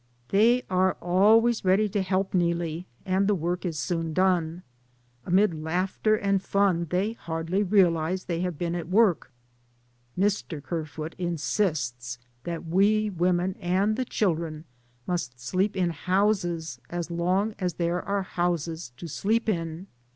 ' They are always ready to help Neelie, and the work is soon done. Amid laughter and 8 DAYS ON THE ROAD. fun they hardly realize they have been at work. Mr. Kerfoot insists that we women and the children must sleep in houses as long as there are houses to sleep in.